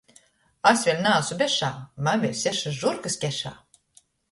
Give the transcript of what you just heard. Es vēļ naasu bešā, man vēļ sešys žurkys kešā.